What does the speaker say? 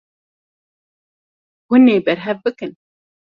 Hûn ê berhev bikin.